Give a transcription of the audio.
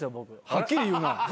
はっきり言うな。